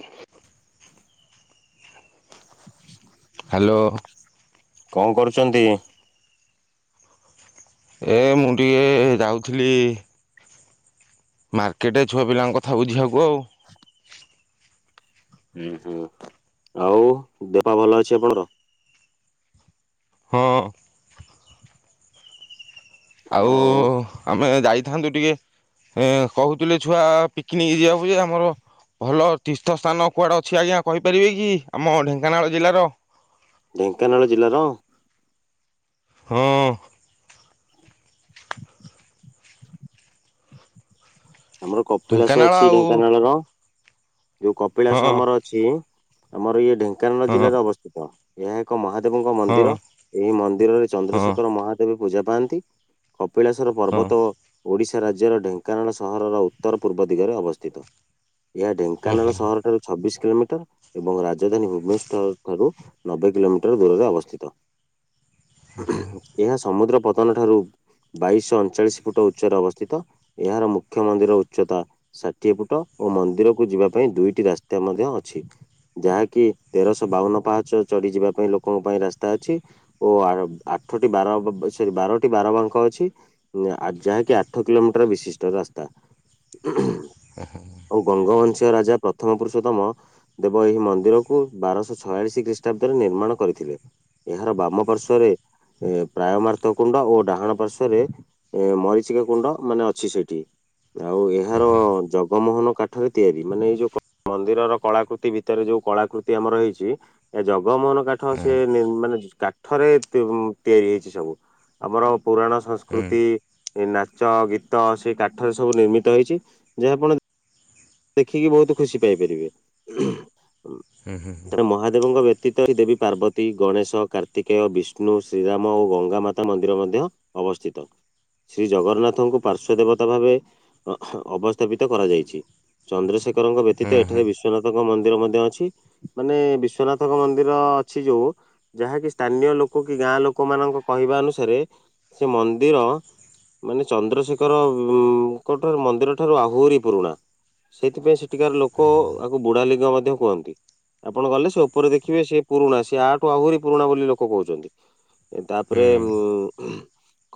ହଁ [unintelligible] [unintelligible] ହ୍ୟାଲୋ। କଣ କରୁଛନ୍ତି? ଏ ମୁଁ ଟିକେ ଯାଉଥିଲି ମାର୍କେଟ ଛୁଆ ପିଲାଙ୍କ କଥା ବୁଝିବାକୁ ଆଉ। ହୁଁ ହୁଁ, ଆଉ ଦେହ ଭଲ ଅଛି ଆପଣଙ୍କର? ହଁ। ଆଉ ଆମେ ଯାଇଥାନ୍ତୁ ଟିକେ ଏ କହୁଥିଲେ ଛୁଆ ପିକନିକ ଯିବାକୁ ଯେ ଆମର ଭଲ ତୀର୍ଥସ୍ଥାନ କୁଆଡ଼େ ଅଛି ଆଜ୍ଞା କହିପାରିବେ କି ଆମ ଢେଙ୍କାନାଳ ଜିଲ୍ଲାର। ଢେଙ୍କାନାଳ ଜିଲ୍ଲାର ହଁ। [unintelligible] ଆମର କପିଳାସ ଢେଙ୍କାନାଳ ଅଛି ଆଉ ଢ଼େଙ୍କାନାଳ ର। ଯୋଉ ହଁ କପିଳାସ ଆମର ଅଛି ଆମର ଇଏ ଢ଼େଙ୍କାନାଳ ହଁ ଜିଲ୍ଲାରେ ଅବସ୍ଥିତ ଏହା ଏକ ମହା ଦେବଙ୍କ ହଁ ମନ୍ଦିର ଏହି ମନ୍ଦିରରେ ହଁ ଚନ୍ଦ୍ରଶେଖର ମହାଦେବ ପୂଜା ପାଆନ୍ତି। କପିଳେଶ୍ୱର ହଁ ପର୍ବତ ଓଡ଼ିଶା ରାଜ୍ୟର ଢେଙ୍କାନାଳ ସହରର ଉତ୍ତର ପୂର୍ବ ଦିଗରେ ଅବସ୍ଥିତ ଏହା ହୁଁ ଢ଼େଙ୍କାନାଳ ହୁଁ ସହର ଠାରୁ ଚବିଶି କିଲୋମିଟର ଏବଂ ରାଜଧାନୀ ଭୁବନେଶ୍ୱର ଠାରୁ ନବେ କିଲୋମିଟର ଦୂରରେ ଅବସ୍ଥିତ। [inaudible] ଏହା ସମୁଦ୍ର ପତ୍ତନ ଠାରୁ ବାଇଶିଶହ ଅଣଚାଳିଶି ଫୁଟ୍ ଉଚ୍ଚରେ ଅବସ୍ଥିତ ଏହାର ମୁ ମୁଖ୍ୟ ମନ୍ଦିର ଉଚ୍ଚତା ଷାଠିଏ ଫୁଟ ଓ ମନ୍ଦିରକୁ ଯିବା ପାଇଁ ଦୁଇଟି ରାସ୍ତା ମଧ୍ୟ ଅଛି। ଯାହାକି ତେରଶହ ବାଉନ ପାହାଚ ଚଢ଼ିକି ଯିବା ପାଇଁ ଲୋକଙ୍କ ପାଇଁ ରାସ୍ତା ଅଛି। ଓ ଆଠଟି ବାର [unintelligible] ସରି ବାରଟି ବାର ବାଙ୍କ ଅଛି। ଯାହାକି ଆଠ କିଲୋମିଟର ବିଶିଷ୍ଟ ରାସ୍ତା। ଓ ହ [inaudible] ଆଉ ଗଙ୍ଗବଂଶୀୟ ରାଜା ପ୍ରଥମ ପୁରୁଷୋତ୍ତମ ଦେବ ଏହି ମନ୍ଦିରକୁ ବାରଶହ ଛୟାଳିଶି ଖ୍ରୀଷ୍ଟାବ୍ଦରେ ନିର୍ମାଣ କରିଥିଲେ। ଏହାର ବାମ ପାର୍ଶ୍ଵରେ ଏ ପ୍ରାୟମାର୍ତ କୁଣ୍ଡ ଓ ଡ଼ାହାଣ ପାର୍ଶ୍ଵରେ ମରିଚିକା କୁଣ୍ଡ ମାନେ ଅଛି ସେଇଠି। ଆଉ ଏହାର ଜଗମୋହନ କା କାଠରେ ତିଆରି ମାନେ ଏଇ ଯୋଉ ମନ୍ଦିରର କଳାକୃତି ଭିତରେ ଯୋଉ କଳାକୃତି ଆମର ହେଇଛି ଏ ଜଗମୋହନ କା ହଁ ହୁଁ ସେ ନି ମାନେ କାଠରେ ତିଆରି ହେଇଛି ସବୁ ଆମର ପୁରାଣ ଶା ହୁଁ ସଂସ୍କୃତି, ନାଚ, ଗୀତ ସେଇ କାଠରେ ସବୁ ନିର୍ମିତ ହେଇଛି ଯାହା ଫ ଦେଖିକି ବହୁତ୍ ଖୁସି ପାଇପାରିବେ ହୁଁ ହୁଁ [unintelligible] ମହାଦେବଙ୍କ ବ୍ୟତ ବ୍ୟତୀତ ଏହି ଦେବୀ ପାର୍ବତୀ, ଗଣେଶ, କାର୍ତ୍ତିକେୟ, ବିଷ୍ଣୁ, ଶ୍ରୀରାମ ଓ ଗଙ୍ଗା ମାତା ମନ୍ଦିର ମଧ୍ୟ ଅବସ୍ଥିତ। ଶ୍ରୀ ଜଗନ୍ନାଥଙ୍କୁ ପାର୍ଶ୍ଵ ଦେବତା ଭାବେ ଅବସ୍ଥାପିତ କରାଯାଇଛି। ଚନ୍ଦ୍ରଶେଖରଙ୍କ ହୁଁ ବ୍ୟତୀତ ହୁଁ ଏଠାରେ ବିଶ୍ଵନାଥଙ୍କ ମନ୍ଦିର ମଧ୍ୟ ଅଛି। ମାନେ ବିଶ୍ଵନାଥଙ୍କ ମନ୍ଦିର ଅଛି ଯୋଉ ଯାହାକି ସ୍ଥାନୀୟ ଲୋକ କି ଗାଁ ଲୋକ ମାନଙ୍କ କହିବା ଅନୁସାରେ ସେ ମନ୍ଦିର ମାନେ ଚନ୍ଦ୍ରଶେଖରଙ୍କଠାରୁ ମନ୍ଦିର ଠାରୁ ଆହୁରି ପୁରୁଣା। ସେଇଥିପାଇଁ ସେଠିକାର ଲୋକ ଆକୁ ବୁଢ଼ା ଲିଙ୍ଗ ମଧ୍ୟ କୁହନ୍ତି। ଆପଣ ଗଲେ ସେ ଉପରେ ଦେଖିବେ ସେ ପୁରୁଣା ସିଏ ଆଠୁ ଆହୁରି ପୁରୁଣା ବୋଲି ଲୋକ କହୁଛନ୍ତି। ତା ହୁଁ ପରେ ଉଁ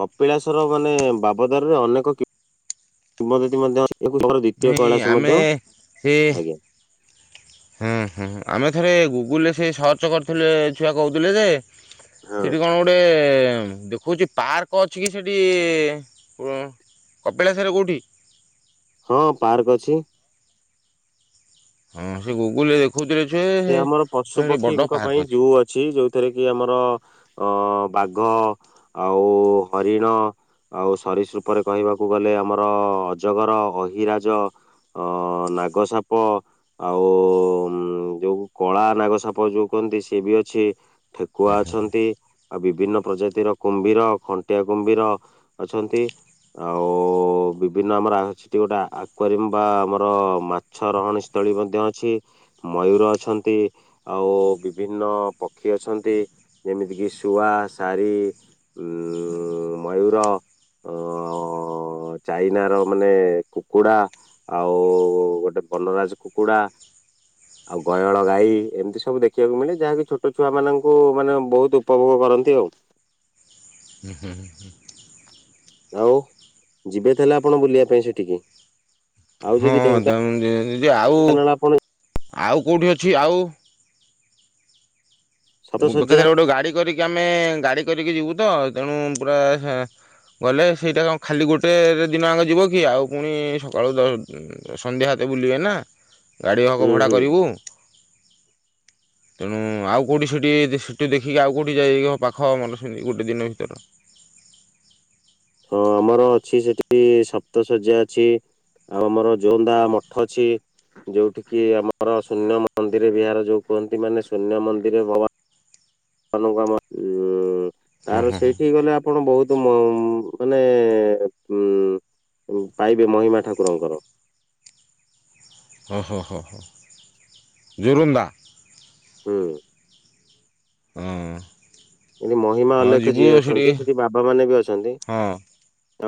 କପିଳାସର ମାନେ ବାବଦରେ ଅନେକ କି କିମ୍ୱଦନ୍ତୀ ମଧ୍ୟ [unintelligible] କି ଆମେ ହି ଆଜ୍ଞା ହୁଁ ହୁଁ ଆମେ ଥରେ ଗୁଗୁଲରେ ସେ ସର୍ଚ୍ଚ କରିଥିଲେ ଛୁଆ କହୁଥିଲେ ଯେ ହଁ ସେଠି କଣ ଗୋଟେ ଦେଖଉଛି ପାର୍କ ଅଛି କି ସେଠି ଉଁ? କପିଳାସରେ କୋଉଠି? ହଁ ପାର୍କ ଅଛି। ହଁ ସେ ଗୁଗୁଲରେ ଦେ ଦେଖୁଥିଲେ ଛୁଏ ସେ ଆମର ପଶୁ ପକ୍ଷୀଙ୍କ ପାଇଁ ଜୁ ଅଛି ଯୋଉ ଯୋଉଥିରେ କି ଆମର ଅ ବାଘ ଆଉ ହରିଣ ଆଉ ସରୀସୃପରେ କହିବାକୁ ଗଲେ ଆମର ଅଜଗର, ଅହିରାଜ ଅ ନାଗସାପ ଆଉ ଯୋଉ କଳା ନାଗ ସାପ ଯୋଉ କୁହନ୍ତି ସିଏ ବି ଅଛି ଠେକୁଆ ଅଛନ୍ତି। ଆଉ ବିଭିନ୍ନ ପ୍ରଜାତିର କୁମ୍ଭୀର ଖଣ୍ଟିଆ କୁମ୍ଭୀର ଅଛନ୍ତି। ଆଉ ବିଭିନ୍ନ ଆମର ଅଛି ଗୋଟେ ଏକ୍ୱାରିଅମ୍ ବା ଆମର ମା ଛ ରହଣୀ ସ୍ଥଳୀ ମଧ୍ୟ ଅଛି ମୟୂର ଅ ଅଛନ୍ତି ଆଉ ବିଭିନ୍ନ ପକ୍ଷୀ ଅଛନ୍ତି। ଯେମିତି କିି ଶୁଆ, ସାରି ଉ ମୟର। ଅ ଅ ଚାଇନାର ମାନେ କୁକୁଡ଼ା ଆଉ ଗୋଟେ ବନରାଜ କୁକୁଡ଼ା। ଆଉ ଗୟଳ ଗାଈ ଏମିତି ସବୁ ଦେଖିବାକୁ ମିଳେ ଯାହାକି ଛୋଟ ଛୁଆମାନାନଙ୍କୁ ମାନେ ବହୁତ ଉପଭୋଗ କରନ୍ତି ଆଉ। ହୁଁ, ହୁଁ, ହୁଁ, ହୁଁ। ଆଉ ଯିବେ ତାହେଲେ ସେଠି ଆପଣ ବୁଲିବା ପାଇଁ ସେଠିକି? ଆଉ ହଁ ଯଦି ଦି ଢେଙ୍କାନାଳ -ଦି ଆଉ ଆପଣ ଆଉ କେଉଁଠି ଅଛି ଆଉ? ମୋ ସତସଯ୍ୟା ପାଖରେ ଗୋଟେ ଗାଡ଼ି କରିକି ଆମେ ଗାଡ଼ି କରିକି ଯିବୁ ତ ତେଣୁ ପୁରା ହେ ଗଲେ ସେଇଟା କଣ ଖାଲି ଗୋଟେ ଦିନ ଆଗେ ଯିବ କି ଆଉ ପୁଣି ସକାଳୁ ଦଳୁ ସନ୍ଧ୍ୟା ଏତେ ବୁଲିବେ ନା। ଗାଡ଼ି ହକ୍ ହୁଁ ଭଡ଼ା ହୁଁ କରିବୁ ତେଣୁ ଆଉ କେଉଁଠି ସେଠି ସେଠି ଦେଖିକି ଆଉ କେଉଁଠି ଯାଇକି ପାଖ ମନେ ସେମିତି ଗୋଟେ ଦିନ ଭିତରେ? ହଁ ଆମର ଅଛି ସେଠି ସପ୍ତ ଶଯ୍ୟା ଅଛି। ଆଉ ଆମର ଜୋଅନ୍ଦା ମଠ ଅଛି। ଯୋଉଠି କି ଆମର ଶୂନ୍ୟ ମନ୍ଦିର ବିହାର ଯୋଉ କୁହନ୍ତି ମାନେ ଶୂନ୍ୟ ମନ୍ଦିରରେ ଭବା ତମକୁ ଆମ ଉଁ ହଁ ତାର ହଁ ହଁ ସେଇଠି ଗଲେ ଆ ଆପଣ ବହୁତ ମୁଁ ମାନେ ଉଁ ପାଇବେ ମହିମା ଠାକୁରଙ୍କର। ହଁ ହଁ ହଁ ହଁ ଯୋରନ୍ଦା। ହୁଁ। ହଁ। ଏଠି ମହିମା ହଁ ଅଲେଖ ଯିବୁ ଯିଏ ଅଛନ୍ତି ସେଠି ବାବା ମାନେ ବି ଅଛନ୍ତି। ହଁ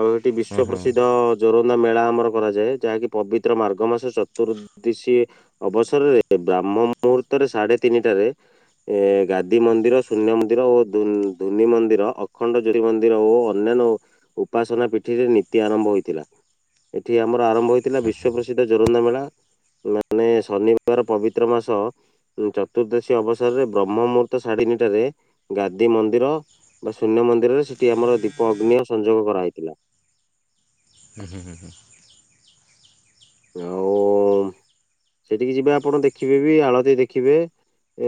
ଆଉ ଏଠି ହଁ ବିଶ୍ଵ ହଁ ପ୍ରସିଦ୍ଧ ଜୋରନ୍ଦା ମେଳା ଆମର କରାଯାଏ ଯାହାକି ପବିତ୍ର ମାର୍ଗ ମାସ ଚତୁର୍ଦ୍ଦଶୀ ଅବସରରେ ବ୍ରାହ୍ମ ମୁହୂର୍ତ୍ତରେ ସାଢ଼େ ତିନିଟାରେ ଏ ଗାଦି ମନ୍ଦିର ଶୂନ୍ୟମ ମନ୍ଦିର ଓ ଧୋ ଧୋନି ମନ୍ଦିର ଅଖଣ୍ଡ ଜୋରି ମନ୍ଦିର ଓ ଅନ୍ୟାନ୍ୟ ଉପାସନା ପିଠିରେ ନୀତି ଆରମ୍ଭ ହୋଇଥିଲା ଏଠି ଆମର ଆରମ୍ଭ ହୋଇଥିଲା ବିଶ୍ଵ ପ୍ରସିଦ୍ଧ ଗୋଟେ ଜୋରନ୍ଦା ମେଳା ମାନେ ଶନିବାର ପବିତ୍ର ମାସ ଚତୁର୍ଦ୍ଦଶୀ ଅବସରରେ ବ୍ରହ୍ମ ମୁହୂର୍ତ୍ତ ସାଢେ଼ ନିଟାରେ ଗାଦି ମନ୍ଦିର ବା ଶୂନ୍ୟ ମନ୍ଦିରରେ ସେଠି ଆମର ଦୀପ ଅଗ୍ନିଅ ସଂଯୋଗ କରାହେଇଥିଲା। ହୁଁ ହୁଁ ହୁଁ। ଆଉ ସେଠିକି ଯିବେ ଆପଣ ଦେଖିବେ ବି ଆଳତି ଦେଖିବେ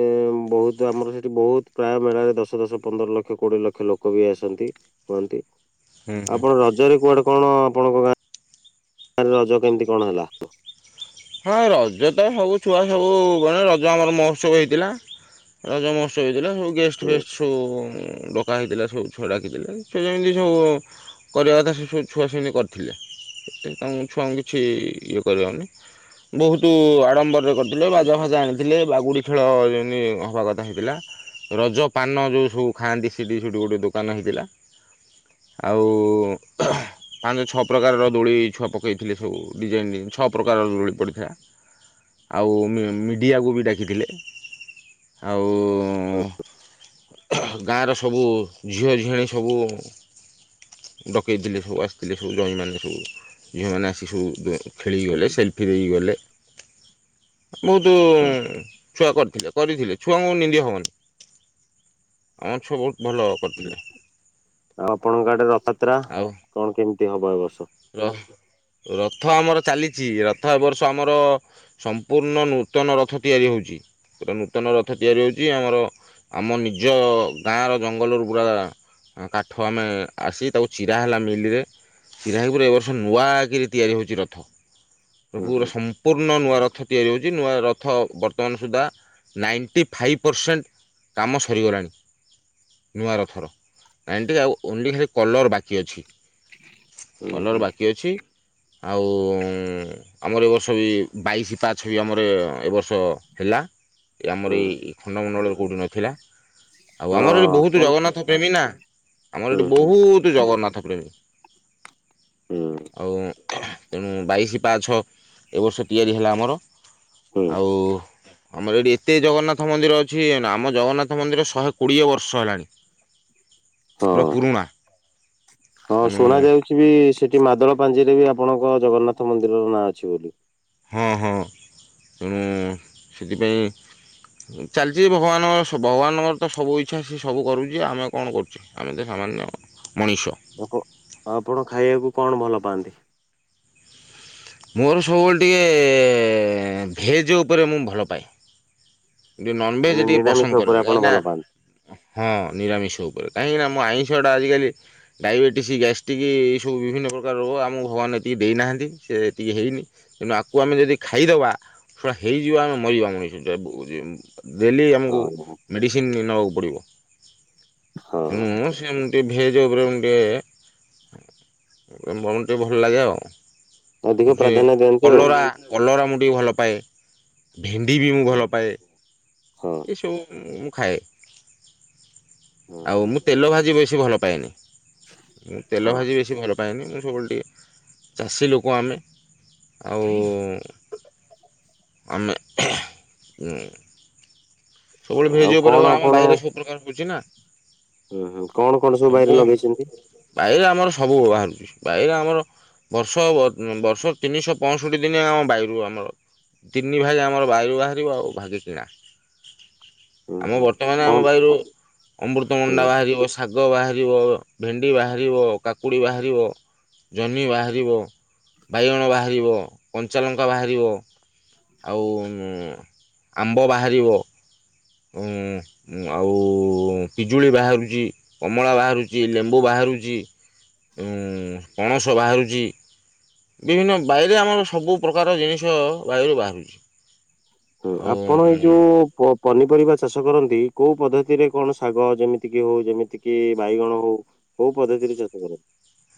ଏ ବହୁତ ଆମର ସେଠି ବହୁତ୍ ପ୍ରାୟ ମେଳାରେ ଦଶ ଦଶ ପନ୍ଦର ଲକ୍ଷ କୋଡ଼ିଏ ଲକ୍ଷ ଲୋକ ବି ଆସନ୍ତି। ହୁଅନ୍ତି। ହୁଁ ହୁଁ ଆପଣ ରଜରେ କୁଆଡେ କଣ ଆପଣଙ୍କ ଗାଁ ଗାଁରେ ରଜ କେମିତି କଣ ହେଲା? ହଁ ରଜ ତ ସବୁ ଛୁଆ ସବୁ ଗଣେ ରଜ ଆମର ମହୋତ୍ସବ ହେଇଥିଲା ରଜ ମହୋତ୍ସ ସେଇଦିନ ସବୁ ଗେଷ୍ଟ ହୁଁ ଫେଷ୍ଟ ସବୁ ଡ ପକା ହେଇଥିଲା ସବୁ ଛୁଆ ଡାକିଥିଲେ ସେ ଯେମିତି ସବୁ କରିବା କଥା ସେ ସବୁ ଛୁଆ ସେମିତି କରିଥିଲେ। ସେ ତାଙ୍କୁ ଛୁଆଙ୍କୁ କିଛି ଇଏ କରିବନି। ବହୁତୁ ଆଡମ୍ବରରେ କରିଥିଲେ ହୁଁ ବାଜା ହୁଁ ଫାଜା ଆଣିଥିଲେ ବାଗୁଡି଼ ଖେଳଅ ଯେମିତି ହବାକଥା ହେଇଥିଲା। ରଜ ପାନ ଯୋଉ ସବୁ ଖାଆନ୍ତି ସେଠି ସେଠି ଗୋଟେ ଦୋକାନ ହେଇଥିଲା। ଆଉ [unintelligible] ପାଞ୍ଚ ଛଅ ପ୍ରକାରର ଦୋଳି ଛୁଆ ପକେଇଥିଲେ ସବୁ ଡିଜାଇନ ଡିଜାଇନ୍ ଛଅ ପ୍ରକାରର ଦୋଳି ପଡ଼ିଥିଲା ଆଉ ମିଡ଼ିଆକୁ ବି ଡାକିଥିଲେ। ଆଉ। ଗାଁର ସବୁ ଝିଅଝିଆଣି ସବୁ। ଡକେଇଥିଲେ ସବୁ ଆସିଥିଲେ ସବୁ ଜ୍ୱାଇଁମାନେ ସବୁ ଝିଅମାନେ ଆସି ସବୁ ବ ଖେଳିକି ହୁଁ ଗଲେ ହୁଁ ସେଲଫିନେଇକି ଗଲେ ବହୁତୁ। ହଁ ଛୁଆ କରିଥିଲେ କରିଥିଲେ ଛୁଆଙ୍କୁ ନିନ୍ଦି ହବନି। ହଁ ଛୁଆ ବହୁତ ଭଲ ହୁଁ କରିଥିଲେ। ଆଉ ଆପଣଙ୍କ ଆଡେ ରଥଯାତ୍ରା କଣ କେମିତି ହବ ଏ ବର୍ଷ? ର-ରଥ ଆମର ଚାଲିଚି ରଥ ଏ ବର୍ଷ ଆମର। ସମ୍ପୂର୍ଣ୍ଣ ନୂତନ ରଥ ତିଆରି ହଉଛି। ଗୋଟେ ନୂତନ ରଥ ତିଆରି ହଉଛି ଆମର ଆମ ନିଜ ଗାଁର ଜଙ୍ଗଲରୁ ପୁରା। ଆଁ କାଠ ଆମେ ଆସି ତାକୁ ଚିରା ହେଲା ମିଲରେ। ଚିରାହେଇକି ପୁରା ଏ ବର୍ଷ ନୂଆକିରି ତିଆରି ହଉଛି ରଥ। ହୁଁ ପୁରା ହୁଁ ସମ୍ପୂର୍ଣ୍ଣ ନୂଆ ରଥ ତିଆରି ହଉଛି ନୂଆ ରଥ ବର୍ତ୍ତମାନ ସୁଦ୍ଧା। ନାଇଣ୍ଟି ଫାଇପ୍ ପରସେଣ୍ଟ କାମ ସରିଗଲାଣି। ନୂଆରଥର ନାଇଣ୍ଟି ଆଉ ଓନ୍ଲି ଖାଲି କଲର୍ ବାକି ଅଛି। ହୁଁ କଲର୍ ହୁଁ ବାକି ଅଛି ଆଉଁ। ଆମର ଏ ବର୍ଷ ବି ବାଇଶି ପାହାଚ ବି ଆମର ଏ ବର୍ଷ ହେଲା। ଏ ଆମର ହୁଁ ଏଇ ଖଣ୍ଡମଣ୍ଡଳରେ କଉଠି ନଥିଲା। ଆଉ ଆମର ଏଇଠି ହଁ ବହୁତ କଣ ଜଗନ୍ନାଥ ପ୍ରେମୀ ନା ଆମର ହୁଁ ଏଇଠି ହୁଁ ବହୁତ ଜଗନ୍ନାଥ ପ୍ରେମୀ। ହୁଁ ଆଉ ତେଣୁ ବାଇଶ ପାହାଛ ଏ ବର୍ଷ ତିଆରି ହେଲା ଆମର। ହୁଁ ଆଉ। ଆମର ଏଇଠି ଏତେ ଜଗନ୍ନାଥ ମନ୍ଦିର ଅଛି ନା ଆମ ଜଗନ୍ନାଥ ମନ୍ଦିର ଶହେ କୋଡ଼ିଏ ବର୍ଷ ହେଲାଣି। ପୁରା ହଁ। ପୁୁରଣା। ହଁ ଶୁଣା ଯାଉଛି ବି ସେଠି ମାଦଳ ପାଞ୍ଜିରେ ବି ଆପଣଙ୍କ ଜଗନ୍ନାଥ ମନ୍ଦିରର ନାଁ ଅଛି ବୋଲି। ହଁ ହଁ ଉଁ ସେଥିପାଇଁ। ଉଁ ଚାଲିଛି ଭଗବାନ ସ ଭଗବାନଙ୍କର ତ ସବୁ ଇଚ୍ଛା ସିଏ ସବୁ କରୁଛି ଆମେ କଣ କରୁଛେ। ଆମେ ତ ସାମାନ୍ୟ ମଣୀଷ। ଭୋକ ଆପଣ ଖାଇବାକୁ କଣ ଭଲ ପାଆନ୍ତି? ମୋର ସବୁବେଳେ ଟିକେ ଭେଜ୍ ଉପରେ ମୁଁ ଭଲ ପାଏ। ଯଉ ନନଭେଜ ମାନେ ଟିକେ ନିରାମିଷ ପସନ୍ଦ ଉପରେ କରେନି ଆପଣ କାହିଁ ନା। ଭଲ ପାଆନ୍ତି? ହଁ ନିରାମିଷ ଉପରେ କାହିଁକି ନା ମୁଁ ଆଇଁଷ ଟା ଆଜିକାଲି। ଡାଇବେଟିସି ଗ୍ୟାଷ୍ଟିକି ଏଇସବୁ ବିଭିନ୍ନ ପ୍ରକାର ରୋଗ ଆମକୁ ଭଗବାନ ଏତିକି ଦେଇନାହାନ୍ତି ସେ ଏତିକି ହେଇନି। ! ! ! ! ! ! ! ! ! ! ଜଁ ଯେ ଡେଲି ଆମକୁ ହଁ ମେଡ଼ିସିନ୍ ନବାକୁ ପଡ଼ିବ। ହଁ ତେଣୁ ସେମ ଟିକେ ଭେଜ୍ ଉପରେ ମୁଁ ଟିକେ ଉଁ [unintelligible] ଟିକେ ଭଲ ଲାଗେ ଆଉ। ଅଧିକ ଯେ ପ୍ରାଧାନ୍ୟ ଦିଅନ୍ତି ଆଉ। କଲରା କଲରା ମୁଁ ଟିକେ ଭଲ ପାଏ ଭେଣ୍ଡି ବି ମୁଁ ହଁ ଭଲ ପାଏ। ହଁ। ଏ ସବୁ ମୁଁ ଖାଏ। ଆଉ ହଁ ମୁଁ ତେଲ ଭାଜି ବେଶୀ ଭଲ ପାଏନି। ମୁଁ ତେଲ ହଁ ଭାଜି ବେଶୀ ଭଲ ପାଏନି ମୁଁ ସବୁବେଳେ ଟିକେ ଚାଷୀ ଲୋକ ଆମେ ଆଉ। ଆମେ। ଉଁ ସବୁବେଳେ ଆଉ ଭେଜ ଉପରେ କଣ ହବ୍ ଆମ ଆପଣ ବାଇରେ ସବୁପ୍ରକାର ହଉଛି ନା। ହୁଁ ହୁଁ। କଣ କଣ ସବୁ ବାଇରେ ଲଗେଇଛନ୍ତି? ବାଇରେ ଆମର ସବୁ ବାହାରୁଛି ବାଇରେ ଆମର। ବର୍ଷ ଅ ଉଁ ବର୍ଷ ତିନିଶ ପଂଷଠି ଦିନିଆ ଆମ ବାଇରୁ ଆମର। ତିନି ଭାଗେ ଆମର ବାଇରୁ ବାହାରିବ ଆଉ ଭାଗେ କିଣା। ହୁଁ ଆମ ହୁଁ ବର୍ତ୍ତମାନ ଆମ କଣ ବାଇରୁ ଅମୃତମଣ୍ଡା ହୁଁ ବାହାରି ବସି ଶାଗ ବାହାରିବ, ଭେଣ୍ଡି ବାହାରିବ, କାକୁଡ଼ି ବାହାରିବ। ଜହ୍ନି ବାହାରିବ, ବାଇଗଣ ବାହାରିବ, କଞ୍ଚାଲଙ୍କା ବାହାରିବ। ଆଉ ଆମ୍ବ ବାହାରିବ। ଉଁ ଉଁ ଆଉ ହୁଁ ପିଜୁଳି ବାହାରୁଚି, କମଳା ବାହାରୁଚି, ଲେମ୍ବୁ ବାହାରୁଚି। ଉଁ ପଣସ ବାହାରୁଚି। ବିଭିନ୍ନ ବାଇରେ ଆମର ସବୁ ପ୍ରକାର ଜିନିଷ ବାଇରୁ ବାହାରୁଛି। ହଁ ଆପଣ ଏଇ ଆଉ ଯୋଉ କୋ ପନିପରିବା ଚାଷ କରନ୍ତି କୋଉ ପଦ୍ଧତିରେ କଣ ଶାଗ ଯେମିତିକି ହୋଉ ଯେମିତିକି ବାଇଗଣ ହୋଉ? କୋଉ ପଦ୍ଧତିରେ ଚାଷ କରନ୍ତ?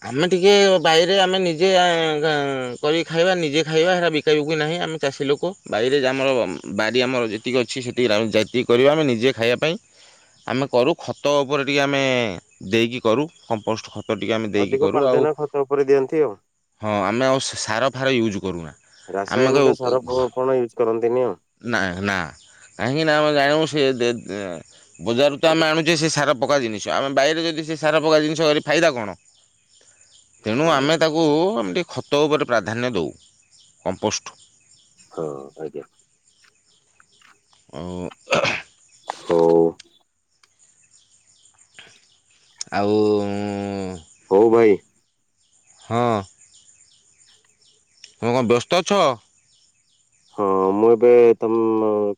ଆମେ ଟିକେ ବାଇରେ ଆମେ ନିଜେ ଆ ଗାଁ କରିିକ ଖାଇବା ନିଜେ ଖାଇବା ହେରା ବି ବିକାବୁକି ନାହିଁ ଆମେ ଚାଷୀ ଲୋକ ବାଇରେ ଯେ ଆମର ବାରି ଆମର ଯେତିକି ଅଛି ସେତିକିରେ ଆମେ ଯେତିକ କରିବା ଆମେ ନିଜେ ଖାଇବା ପାଇଁ। ଆମେ କରୁ ଖତ ଓପରେ ଟିକେ ଆମେ ଦେଇକି କରୁ କମ୍ପୋଷ୍ଟ ଖତ ଟିକେ ଆମେ ଦେଇକି ଅଧିକ କରୁ ଆଉ ପ୍ରାଧାନ୍ୟ ଖତ ଉପରେ ଦିଅନ୍ତି ଆଉ। ହଁ ଆମେ ଆଉ ସେ ସାର ଫାର ୟୁଜ୍ କରୁନା ଆମେ ରାସାୟନିକ କହିବୁ ସାର ଏ ପ ଘରୁ ଆପଣ ୟୁଜ କରନ୍ତିନି ଆଉ। ନାଇ ନା କାହିଁକିନା ଆମେ ଜାଣିମୁ ସିଏ ଦେ ଏଁ ବଜାରରୁ ତ ଆମେ ଆଣୁ ଯେ ସେ ସାର ପକା ଜିନିଷ ଆମେ ବାଇରେ ଯଦି ସେଇ ସାରା ପକା ଜିନିଷ କରି ଫାଇଦା କଣ? ତେଣୁ ହଁ ଆମେ ତାକୁ ଆମ ଟିକେ ଖତ ଓପରେ ପ୍ରାଧାନ୍ୟ ଦୋଉ କମ୍ପୋଷ୍ଟ। ହଁ ଆଜ୍ଞା। ଆଉ ହୋଉ। ଆଉ ଉଁ ହୋଉ ଭାଇ। ହଁ। ତମେ କଣ ବ୍ୟସ୍ତ ଅଛ? ହଁ ମୁଁ ଏବେ ତମ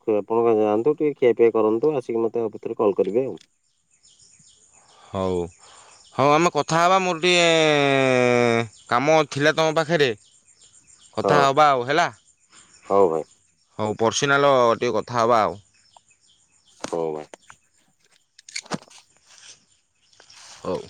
କି ଆପଣଙ୍କ ଯାଆନ୍ତୁ ଟିକେ ଖିଆପିଆ କରନ୍ତୁ ଆସିକି ମତେ ଆ ଭିତରେ କଲ୍ କରିବେ ଆଉ। ହୋଉ। ହଁ ଆମେ କଥା ହବା ମୋର ଟିକେ କାମ ଥିଲା ତମ ପାଖରେ। କଥା ହଁ ହବା ଆଉ ହେଲା। ହଉ ଭାଇ ହୋଉ ପର୍ସିନାଲ ଟିକେ କଥା ହବା ଆଉ। ହୋଉ ହବା। ହୋଉ।